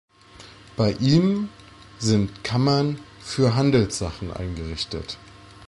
Bei ihm sind Kammern für Handelssachen eingerichtet.